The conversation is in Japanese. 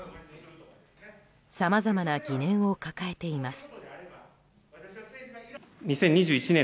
さまざまな疑念を抱えています。